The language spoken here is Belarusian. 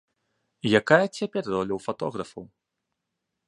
Якая цяпер роля ў фатографаў?